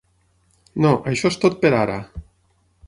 No, això és tot per ara.